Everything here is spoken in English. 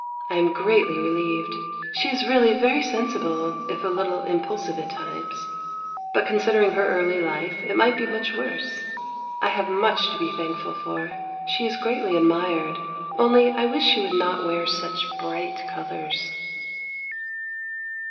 I am greatly relieved. She is really very sensible, if a little impulsive at times; but considering her early life, it might be much worse. I have much to be thankful for. She is greatly admired, only I wish she would not wear such bright colours.